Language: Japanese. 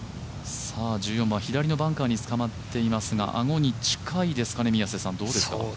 １４番、左のバンカーに捕まっていますが、アゴに近いですかね、どうですか？